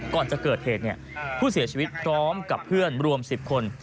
ก่อนจะเกิดเหตุผู้เสียชีวิตพร้อมกับเพื่อนรวม๑๐คน